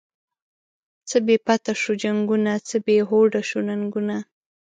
څه بی پته شوو جنگونه، څه بی هوډه شوو ننگونه